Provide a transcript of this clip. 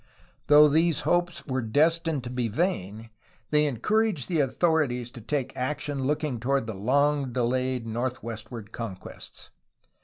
Though these hopes were destined to be vain, they encouraged the authorities to take action looking toward the long delayed northwestward conquests.